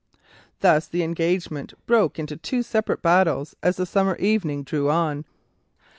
Thus the engagement broke into two separate battles as the summer evening drew on.